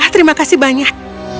terima kasih banyak